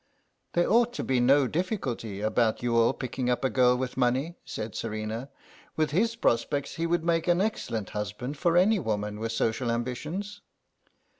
"There ought to be no difficulty about Youghal picking up a girl with money," said Serena; "with his prospects he would make an excellent husband for any woman with social ambitions."